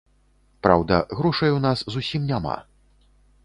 Праўда, грошай у нас зусім няма.